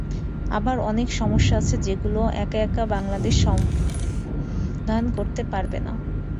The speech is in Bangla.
আবার অনেক সমস্যা আছে, যেগুলো একা বাংলাদেশ সমাধান করতে পারবে না।